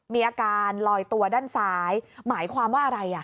มีอาการลอยตัวด้านซ้ายหมายความว่าอะไร